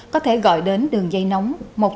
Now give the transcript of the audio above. có thể gọi đến đường dây nóng